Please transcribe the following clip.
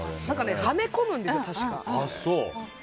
はめ込むんですよ、確か。